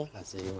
terima kasih ibu